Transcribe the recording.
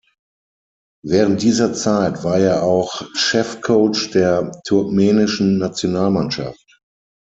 Während dieser Zeit war er auch Chefcoach der turkmenischen Nationalmannschaft.